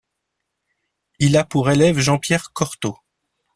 Il a pour élève Jean-Pierre Cortot.